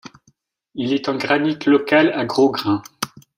Il est en granite local à gros grains.